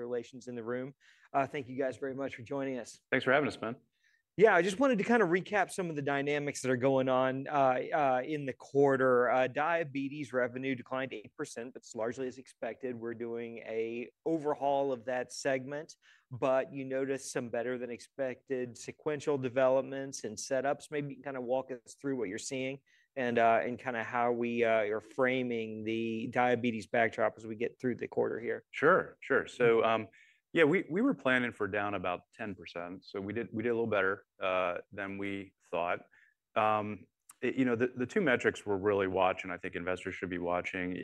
Relations in the room. Thank you guys very much for joining us. Thanks for having us, man. Yeah, I just wanted to kind of recap some of the dynamics that are going on in the quarter. Diabetes revenue declined 8%, but it's largely as expected. We're doing an overhaul of that segment, but you noticed some better-than-expected sequential developments and setups. Maybe you can kind of walk us through what you're seeing and kind of how we are framing the diabetes backdrop as we get through the quarter here. Sure, sure. Yeah, we were planning for down about 10%. We did a little better than we thought. You know, the two metrics we're really watching, I think investors should be watching,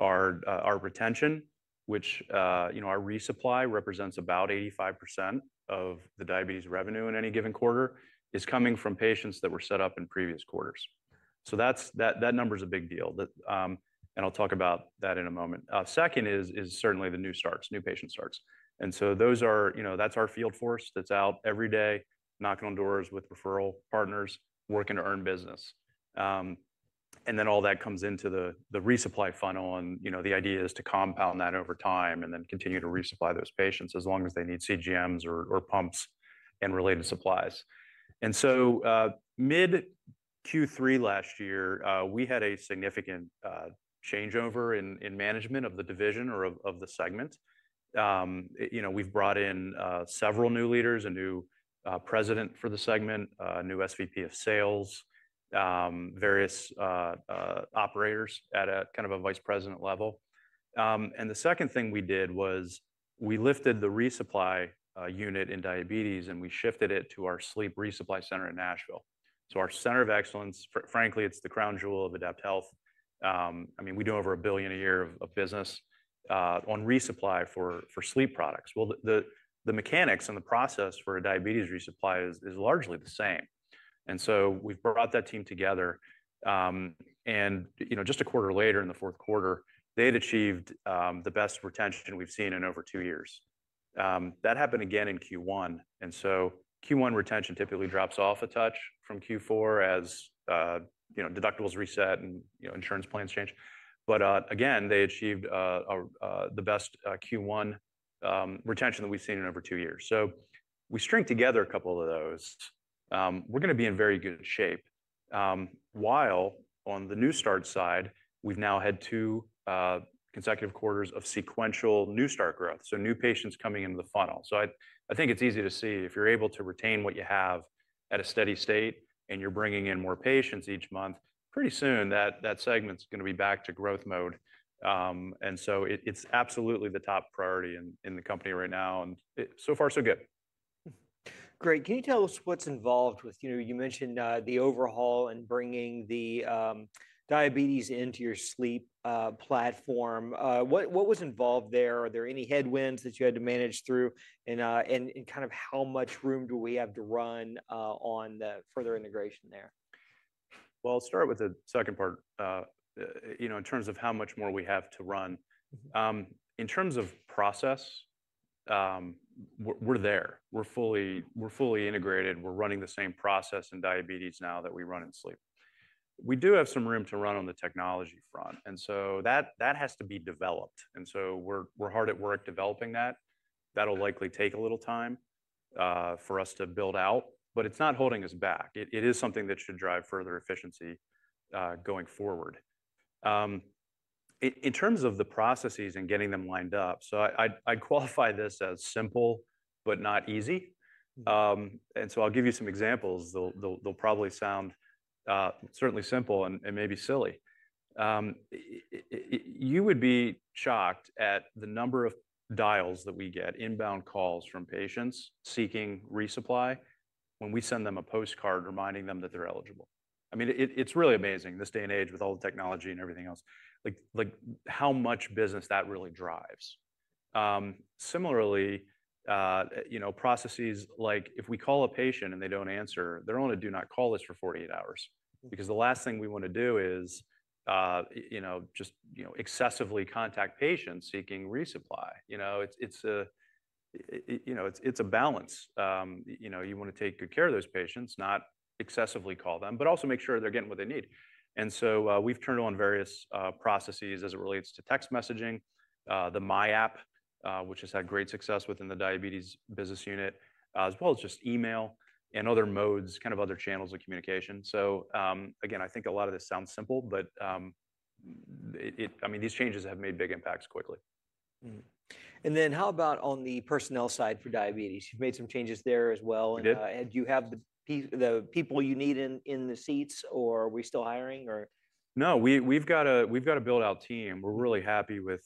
are our retention, which, you know, our resupply represents about 85% of the diabetes revenue in any given quarter, is coming from patients that were set up in previous quarters. That number is a big deal. I'll talk about that in a moment. Second is certainly the new starts, new patient starts. Those are, you know, that's our field force that's out every day, knocking on doors with referral partners, working to earn business. All that comes into the resupply funnel. The idea is to compound that over time and then continue to resupply those patients as long as they need CGMs or pumps and related supplies. Mid-Q3 last year, we had a significant changeover in management of the division or of the segment. You know, we've brought in several new leaders, a new President for the segment, a new SVP of sales, various operators at a kind of a Vice President level. The second thing we did was we lifted the resupply unit in diabetes and we shifted it to our sleep resupply center in Nashville. Our center of excellence, frankly, it's the crown jewel of AdaptHealth. I mean, we do over $1 billion a year of business on resupply for sleep products. The mechanics and the process for a diabetes resupply is largely the same. You know, we've brought that team together. Just a quarter later, in the fourth quarter, they had achieved the best retention we've seen in over two years. That happened again in Q1. Q1 retention typically drops off a touch from Q4 as, you know, deductibles reset and, you know, insurance plans change. Again, they achieved the best Q1 retention that we've seen in over two years. If we string together a couple of those, we're going to be in very good shape. While on the new start side, we've now had two consecutive quarters of sequential new start growth, so new patients coming into the funnel. I think it's easy to see if you're able to retain what you have at a steady state and you're bringing in more patients each month, pretty soon that segment's going to be back to growth mode. It's absolutely the top priority in the company right now. So far, so good. Great. Can you tell us what's involved with, you know, you mentioned the overhaul and bringing the diabetes into your sleep platform. What was involved there? Are there any headwinds that you had to manage through? And kind of how much room do we have to run on the further integration there? I'll start with the second part, you know, in terms of how much more we have to run. In terms of process, we're there. We're fully integrated. We're running the same process in diabetes now that we run in sleep. We do have some room to run on the technology front. That has to be developed. We're hard at work developing that. That'll likely take a little time for us to build out, but it's not holding us back. It is something that should drive further efficiency going forward. In terms of the processes and getting them lined up, I'd qualify this as simple, but not easy. I'll give you some examples. They'll probably sound certainly simple and maybe silly. You would be shocked at the number of dials that we get, inbound calls from patients seeking resupply when we send them a postcard reminding them that they're eligible. I mean, it's really amazing this day and age with all the technology and everything else, like how much business that really drives. Similarly, you know, processes like if we call a patient and they don't answer, they're on a do not call list for 48 hours, because the last thing we want to do is, you know, just, you know, excessively contact patients seeking resupply. You know, it's a balance. You know, you want to take good care of those patients, not excessively call them, but also make sure they're getting what they need. We have turned on various processes as it relates to text messaging, the My App, which has had great success within the diabetes business unit, as well as just email and other modes, kind of other channels of communication. I think a lot of this sounds simple, but I mean, these changes have made big impacts quickly. How about on the personnel side for diabetes? You've made some changes there as well. Do you have the people you need in the seats, or are we still hiring, or? No, we've got a built-out team. We're really happy with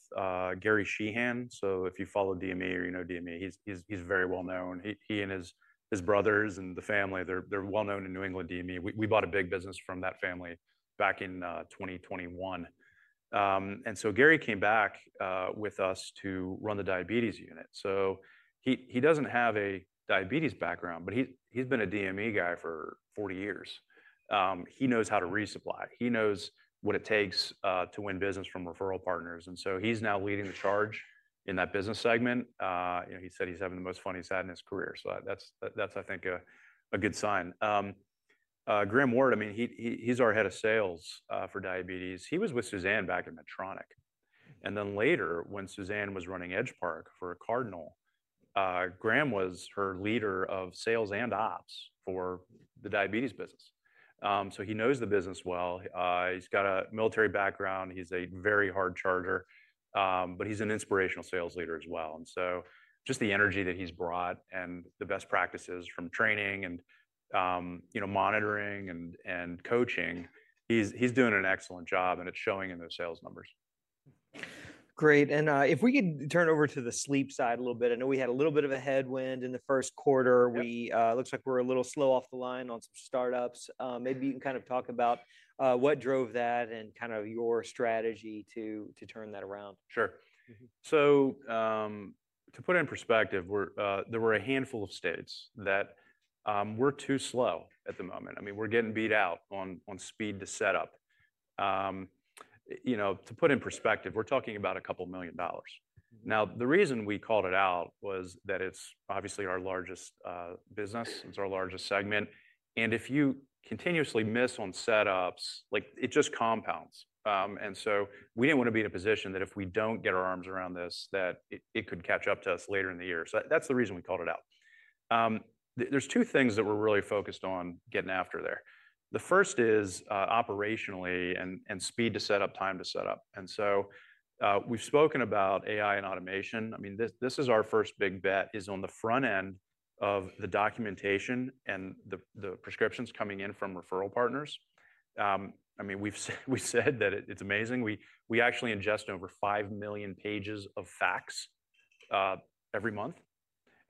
Gary Sheehan. So if you follow DME or you know DME, he's very well known. He and his brothers and the family, they're well known in New England DME. We bought a big business from that family back in 2021. And so Gary came back with us to run the diabetes unit. So he doesn't have a diabetes background, but he's been a DME guy for 40 years. He knows how to resupply. He knows what it takes to win business from referral partners. And so he's now leading the charge in that business segment. You know, he said he's having the most fun he's had in his career. So that's, I think, a good sign. Graham Ward, I mean, he's our head of sales for diabetes. He was with Suzanne back in Medtronic. Later, when Suzanne was running Edgepark for Cardinal, Graham was her leader of sales and ops for the diabetes business. He knows the business well. He's got a military background. He's a very hard charger, but he's an inspirational sales leader as well. Just the energy that he's brought and the best practices from training and, you know, monitoring and coaching, he's doing an excellent job, and it's showing in those sales numbers. Great. If we could turn over to the sleep side a little bit, I know we had a little bit of a headwind in the first quarter. It looks like we're a little slow off the line on some startups. Maybe you can kind of talk about what drove that and kind of your strategy to turn that around. Sure. To put it in perspective, there were a handful of states that were too slow at the moment. I mean, we're getting beat out on speed to set up. You know, to put it in perspective, we're talking about a couple million dollars. Now, the reason we called it out was that it's obviously our largest business. It's our largest segment. If you continuously miss on setups, it just compounds. We did not want to be in a position that if we do not get our arms around this, it could catch up to us later in the year. That is the reason we called it out. There are two things that we're really focused on getting after there. The first is operationally and speed to set up, time to set up. We have spoken about AI and automation. I mean, this is our first big bet is on the front end of the documentation and the prescriptions coming in from referral partners. I mean, we've said that it's amazing. We actually ingest over 5 million pages of fax every month.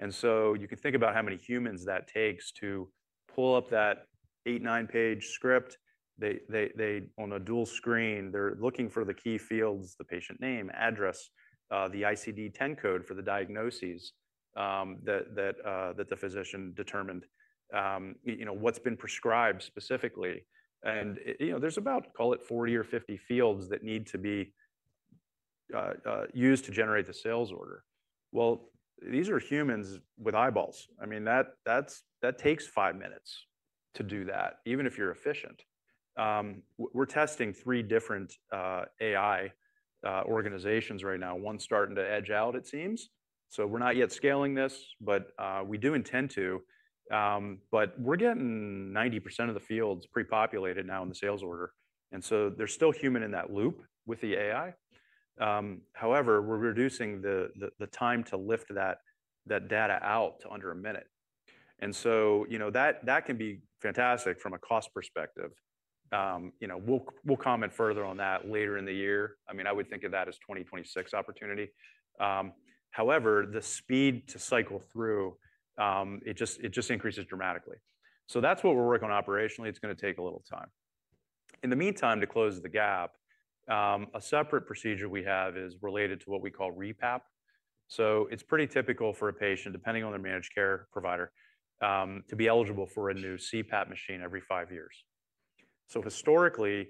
You can think about how many humans that takes to pull up that eight, nine-page script. On a dual screen, they're looking for the key fields, the patient name, address, the ICD-10 code for the diagnoses that the physician determined, you know, what's been prescribed specifically. You know, there's about, call it 40 or 50 fields that need to be used to generate the sales order. These are humans with eyeballs. I mean, that takes five minutes to do that, even if you're efficient. We're testing three different AI organizations right now, one starting to edge out, it seems. We're not yet scaling this, but we do intend to. We're getting 90% of the fields pre-populated now in the sales order. There's still human in that loop with the AI. However, we're reducing the time to lift that data out to under a minute. You know, that can be fantastic from a cost perspective. We'll comment further on that later in the year. I mean, I would think of that as a 2026 opportunity. However, the speed to cycle through, it just increases dramatically. That's what we're working on operationally. It's going to take a little time. In the meantime, to close the gap, a separate procedure we have is related to what we call REPAP. It's pretty typical for a patient, depending on their managed care provider, to be eligible for a new CPAP machine every five years. Historically,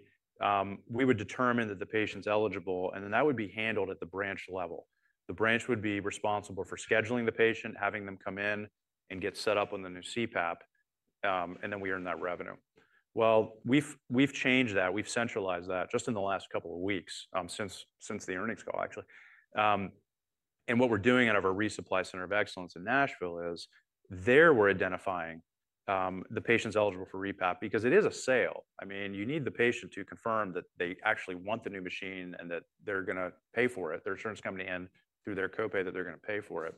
we would determine that the patient's eligible, and then that would be handled at the branch level. The branch would be responsible for scheduling the patient, having them come in and get set up on the new CPAP, and then we earn that revenue. We've changed that. We've centralized that just in the last couple of weeks since the earnings call, actually. What we're doing out of our resupply center of excellence in Nashville is there we're identifying the patient's eligible for REPAP because it is a sale. I mean, you need the patient to confirm that they actually want the new machine and that they're going to pay for it, their insurance company and through their copay that they're going to pay for it.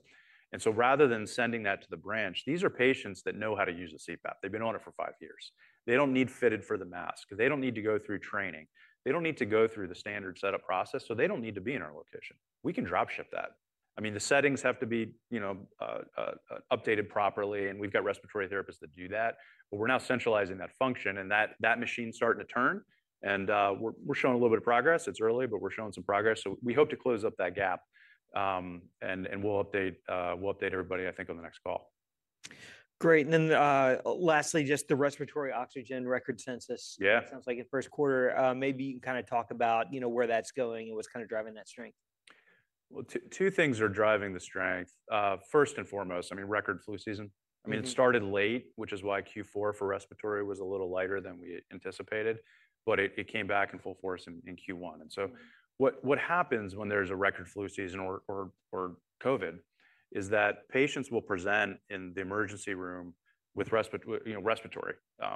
Rather than sending that to the branch, these are patients that know how to use a CPAP. They've been on it for five years. They don't need fitted for the mask. They don't need to go through training. They don't need to go through the standard setup process. They don't need to be in our location. We can drop ship that. I mean, the settings have to be, you know, updated properly. And we've got respiratory therapists that do that. We're now centralizing that function. That machine's starting to turn. We're showing a little bit of progress. It's early, but we're showing some progress. We hope to close up that gap. We'll update everybody, I think, on the next call. Great. Lastly, just the respiratory oxygen record census. It sounds like in the first quarter, maybe you can kind of talk about, you know, where that's going and what's kind of driving that strength. Two things are driving the strength. First and foremost, I mean, record flu season. I mean, it started late, which is why Q4 for respiratory was a little lighter than we anticipated, but it came back in full force in Q1. What happens when there's a record flu season or COVID is that patients will present in the emergency room with, you know, a respiratory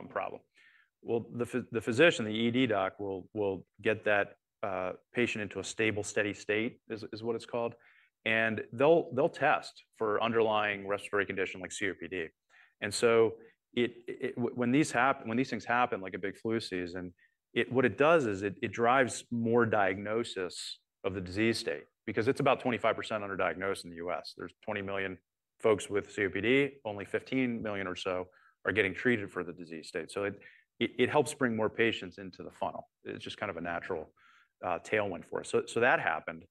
problem. The physician, the ED doc, will get that patient into a stable, steady state is what it's called. They'll test for underlying respiratory condition like COPD. When these things happen, like a big flu season, what it does is it drives more diagnosis of the disease state because it's about 25% underdiagnosed in the U.S. There's 20 million folks with COPD. Only 15 million or so are getting treated for the disease state. It helps bring more patients into the funnel. It's just kind of a natural tailwind for us. That happened.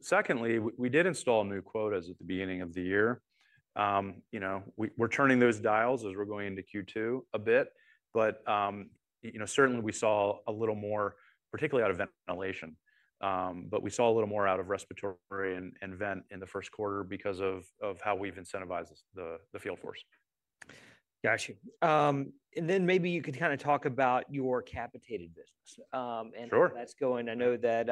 Secondly, we did install new quotas at the beginning of the year. You know, we're turning those dials as we're going into Q2 a bit. You know, certainly we saw a little more, particularly out of ventilation. We saw a little more out of respiratory and vent in the first quarter because of how we've incentivized the field force. Gotcha. And then maybe you could kind of talk about your capitated business. Sure. How that's going. I know that,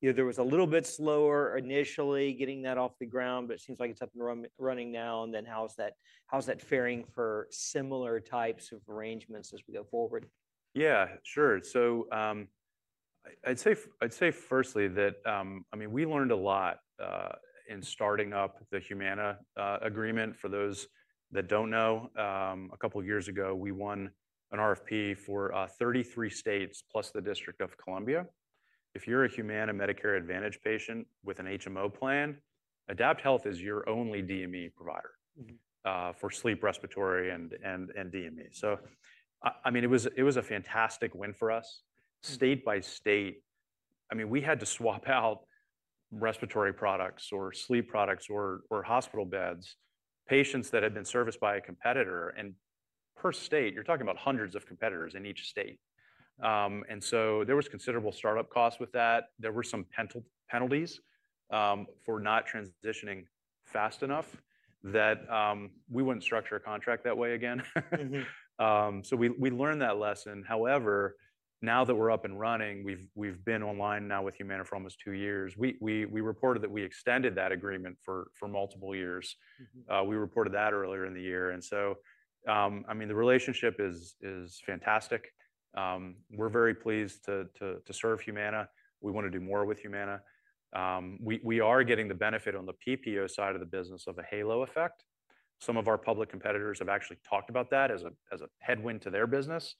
you know, there was a little bit slower initially getting that off the ground, but it seems like it's up and running now. How's that fairing for similar types of arrangements as we go forward? Yeah, sure. I'd say firstly that, I mean, we learned a lot in starting up the Humana agreement. For those that don't know, a couple of years ago, we won an RFP for 33 states plus the District of Columbia. If you're a Humana Medicare Advantage patient with an HMO plan, AdaptHealth is your only DME provider for sleep, respiratory, and DME. I mean, it was a fantastic win for us. State by state, we had to swap out respiratory products or sleep products or hospital beds, patients that had been serviced by a competitor. Per state, you're talking about hundreds of competitors in each state. There was considerable startup costs with that. There were some penalties for not transitioning fast enough that we wouldn't structure a contract that way again. We learned that lesson. However, now that we're up and running, we've been online now with Humana for almost two years. We reported that we extended that agreement for multiple years. We reported that earlier in the year. I mean, the relationship is fantastic. We're very pleased to serve Humana. We want to do more with Humana. We are getting the benefit on the PPO side of the business of a halo effect. Some of our public competitors have actually talked about that as a headwind to their business.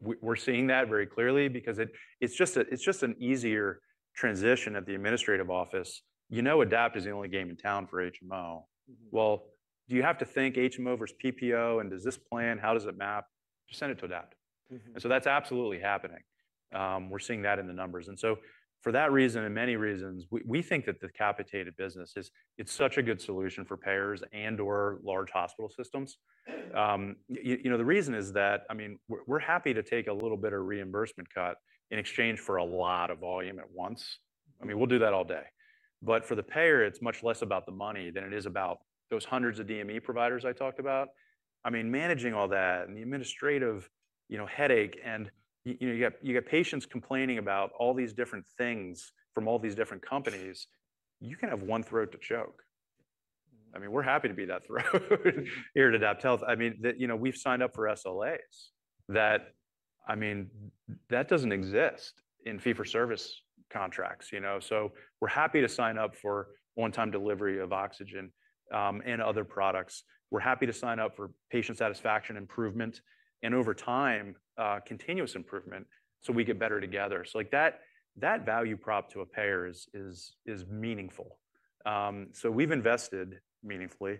We're seeing that very clearly because it's just an easier transition of the administrative office. You know, Adapt is the only game in town for HMO. You have to think HMO versus PPO and does this plan, how does it map? Just send it to Adapt. That's absolutely happening. We're seeing that in the numbers. For that reason, and many reasons, we think that the capitated business is such a good solution for payers and/or large hospital systems. You know, the reason is that, I mean, we're happy to take a little bit of reimbursement cut in exchange for a lot of volume at once. I mean, we'll do that all day. For the payer, it's much less about the money than it is about those hundreds of DME providers I talked about. I mean, managing all that and the administrative, you know, headache. And, you know, you got patients complaining about all these different things from all these different companies. You can have one throat to choke. I mean, we're happy to be that throat here at AdaptHealth. I mean, you know, we've signed up for SLAs that, I mean, that doesn't exist in fee-for-service contracts, you know. We're happy to sign up for one-time delivery of oxygen and other products. We're happy to sign up for patient satisfaction improvement and, over time, continuous improvement so we get better together. Like, that value prop to a payer is meaningful. We've invested meaningfully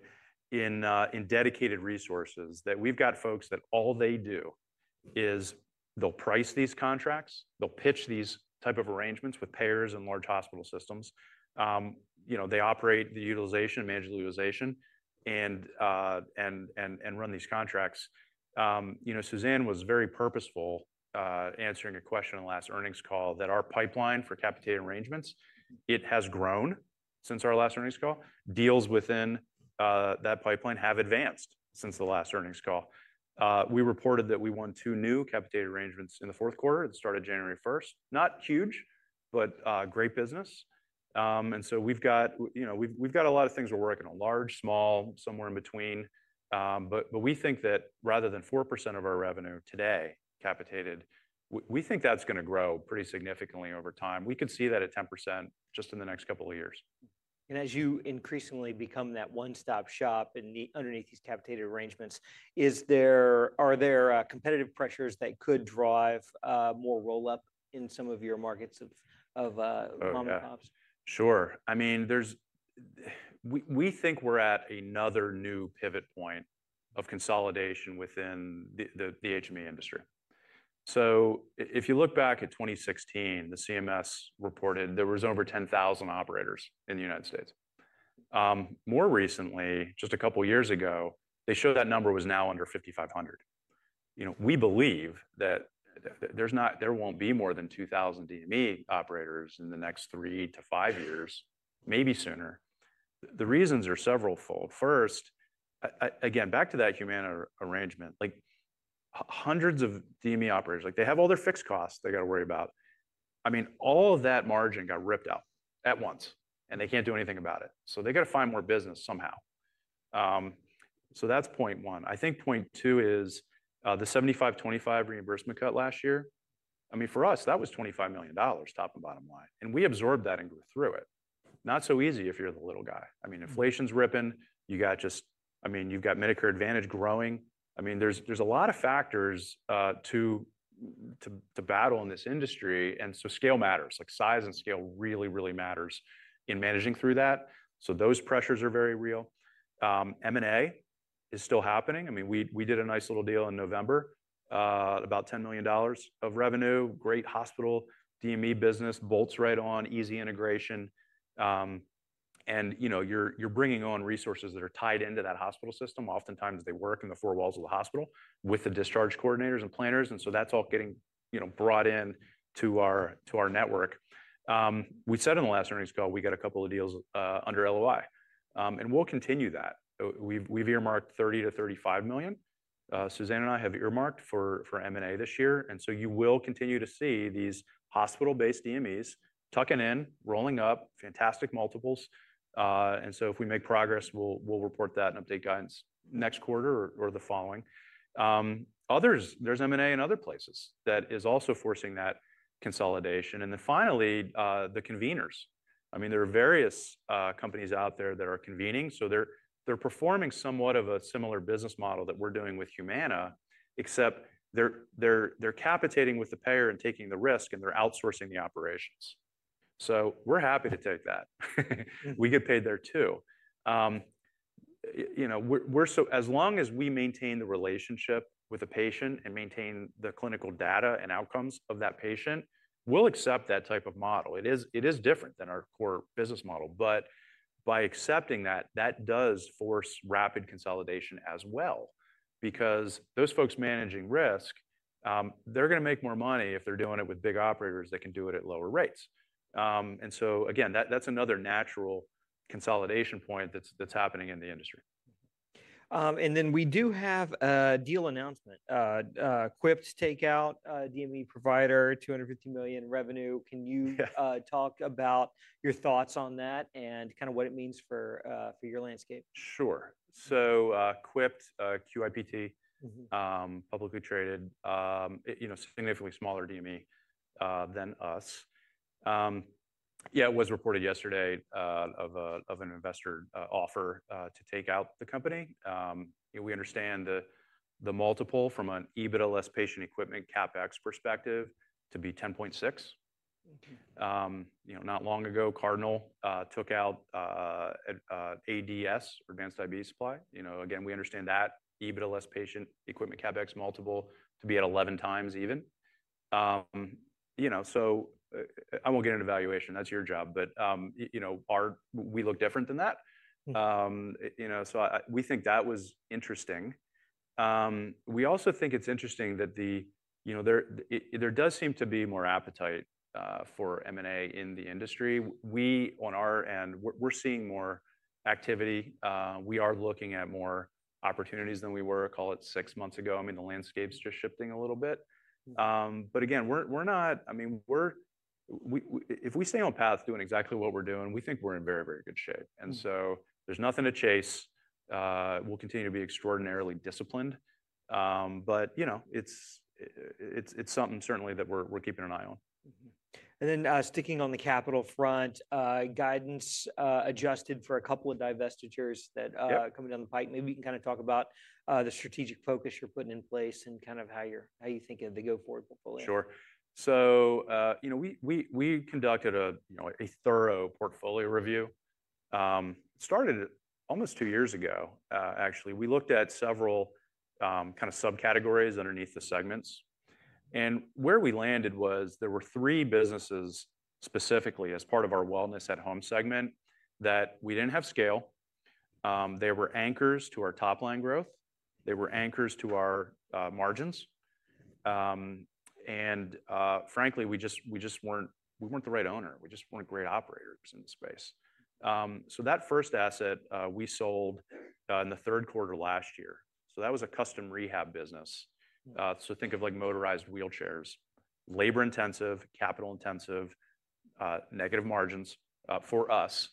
in dedicated resources that we've got folks that all they do is they'll price these contracts. They'll pitch these types of arrangements with payers and large hospital systems. You know, they operate the utilization, manage the utilization, and run these contracts. You know, Suzanne was very purposeful answering a question on the last earnings call that our pipeline for capitated arrangements, it has grown since our last earnings call. Deals within that pipeline have advanced since the last earnings call. We reported that we won two new capitated arrangements in the fourth quarter. It started January first. Not huge, but great business. We've got, you know, we've got a lot of things we're working on, large, small, somewhere in between. We think that rather than 4% of our revenue today capitated, we think that's going to grow pretty significantly over time. We could see that at 10% just in the next couple of years. As you increasingly become that one-stop shop underneath these capitated arrangements, are there competitive pressures that could drive more roll-up in some of your markets of mom-and-pops? Sure. I mean, we think we're at another new pivot point of consolidation within the HME industry. If you look back at 2016, the CMS reported there were over 10,000 operators in the United States. More recently, just a couple of years ago, they showed that number was now under 5,500. You know, we believe that there won't be more than 2,000 DME operators in the next three to five years, maybe sooner. The reasons are several-fold. First, again, back to that Humana arrangement, like hundreds of DME operators, like they have all their fixed costs they got to worry about. I mean, all of that margin got ripped out at once, and they can't do anything about it. They got to find more business somehow. That's point one. I think point two is the $7,525 reimbursement cut last year. I mean, for us, that was $25 million, top and bottom line. And we absorbed that and grew through it. Not so easy if you're the little guy. I mean, inflation's ripping. You got just, I mean, you've got Medicare Advantage growing. I mean, there's a lot of factors to battle in this industry. And so scale matters. Like size and scale really, really matters in managing through that. So those pressures are very real. M&A is still happening. I mean, we did a nice little deal in November, about $10 million of revenue. Great hospital DME business, bolts right on, easy integration. And, you know, you're bringing on resources that are tied into that hospital system. Oftentimes, they work in the four walls of the hospital with the discharge coordinators and planners. And so that's all getting, you know, brought into our network. We said in the last earnings call, we got a couple of deals under LOI. We will continue that. We have earmarked $30-$35 million. Suzanne and I have earmarked for M&A this year. You will continue to see these hospital-based DMEs tucking in, rolling up, fantastic multiples. If we make progress, we will report that and update guidance next quarter or the following. Others, there is M&A in other places that is also forcing that consolidation. Finally, the conveners. I mean, there are various companies out there that are convening. They are performing somewhat of a similar business model that we are doing with Humana, except they are capitating with the payer and taking the risk, and they are outsourcing the operations. We are happy to take that. We get paid there too. You know, as long as we maintain the relationship with a patient and maintain the clinical data and outcomes of that patient, we'll accept that type of model. It is different than our core business model. By accepting that, that does force rapid consolidation as well because those folks managing risk, they're going to make more money if they're doing it with big operators that can do it at lower rates. Again, that's another natural consolidation point that's happening in the industry. We do have a deal announcement. Quipt takeout DME provider, $250 million revenue. Can you talk about your thoughts on that and kind of what it means for your landscape? Sure. Quipt, QIPT, publicly traded, you know, significantly smaller DME than us. Yeah, it was reported yesterday of an investor offer to take out the company. We understand the multiple from an EBITDA less patient equipment CapEx perspective to be 10.6. You know, not long ago, Cardinal took out ADS, Advanced Diabetes Supply. You know, again, we understand that EBITDA less patient equipment CapEx multiple to be at 11 times even. You know, I won't get into valuation. That's your job. You know, we look different than that. You know, we think that was interesting. We also think it's interesting that, you know, there does seem to be more appetite for M&A in the industry. We, on our end, are seeing more activity. We are looking at more opportunities than we were, call it six months ago. I mean, the landscape's just shifting a little bit. Again, we're not, I mean, if we stay on path doing exactly what we're doing, we think we're in very, very good shape. There is nothing to chase. We'll continue to be extraordinarily disciplined. You know, it's something certainly that we're keeping an eye on. Then sticking on the capital front, guidance adjusted for a couple of divestitures that are coming down the pike. Maybe you can kind of talk about the strategic focus you're putting in place and kind of how you think of the go-forward portfolio. Sure. So, you know, we conducted a thorough portfolio review. Started almost two years ago, actually. We looked at several kind of subcategories underneath the segments. Where we landed was there were three businesses specifically as part of our wellness at home segment that we did not have scale. They were anchors to our top line growth. They were anchors to our margins. And frankly, we just were not the right owner. We just were not great operators in the space. That first asset, we sold in the third quarter last year. That was a custom rehab business. Think of like motorized wheelchairs. Labor-intensive, capital-intensive, negative margins for us.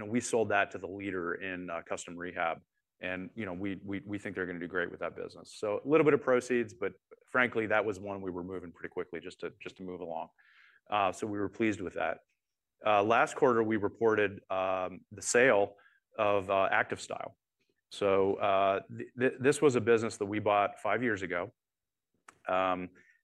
We sold that to the leader in custom rehab. We think they are going to do great with that business. A little bit of proceeds, but frankly, that was one we were moving pretty quickly just to move along. We were pleased with that. Last quarter, we reported the sale of ActiveStyle. This was a business that we bought five years ago.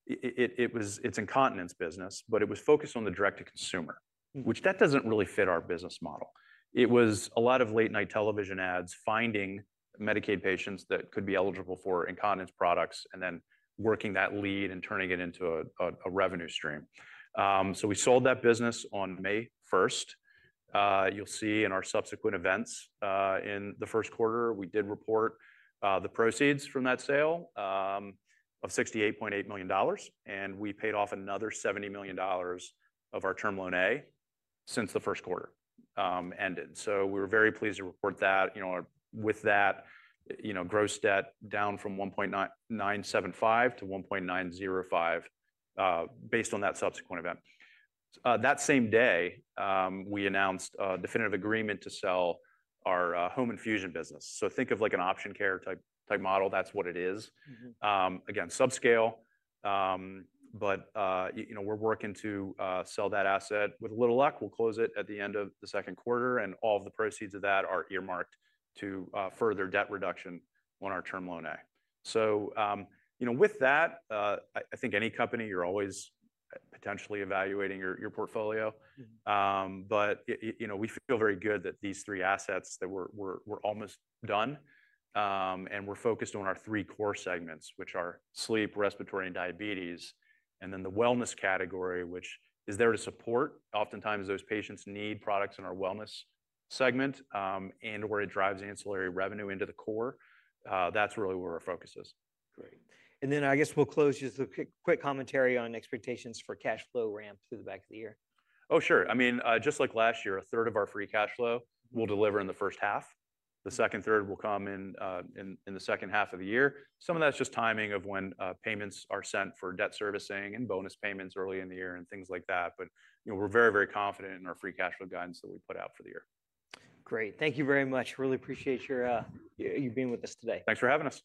It's incontinence business, but it was focused on the direct-to-consumer, which that doesn't really fit our business model. It was a lot of late-night television ads finding Medicaid patients that could be eligible for incontinence products and then working that lead and turning it into a revenue stream. We sold that business on May 1. You'll see in our subsequent events in the first quarter, we did report the proceeds from that sale of $68.8 million. We paid off another $70 million of our term loan A since the first quarter ended. We were very pleased to report that, you know, with that, you know, gross debt down from $1.975 billion to $1.905 billion based on that subsequent event. That same day, we announced a definitive agreement to sell our home infusion business. Think of like an Option Care Health type model. That's what it is. Again, subscale. You know, we're working to sell that asset. With a little luck, we'll close it at the end of the second quarter. All of the proceeds of that are earmarked to further debt reduction on our term loan A. You know, with that, I think any company, you're always potentially evaluating your portfolio. You know, we feel very good that these three assets that we're almost done. We're focused on our three core segments, which are sleep, respiratory, and diabetes. Then the wellness category, which is there to support. Oftentimes, those patients need products in our wellness segment and where it drives ancillary revenue into the core. That's really where our focus is. Great. I guess we'll close just a quick commentary on expectations for cash flow ramp through the back of the year. Oh, sure. I mean, just like last year, a third of our free cash flow will deliver in the first half. The second, third will come in the second half of the year. Some of that's just timing of when payments are sent for debt servicing and bonus payments early in the year and things like that. You know, we're very, very confident in our free cash flow guidance that we put out for the year. Great. Thank you very much. Really appreciate you being with us today. Thanks for having us.